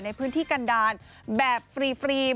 ในพื้นที่กันดาลแบบฟรีม